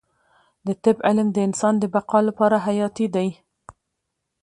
د طب علم د انسان د بقا لپاره حیاتي دی